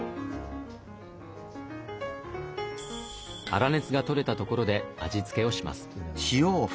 粗熱がとれたところで味付けをします。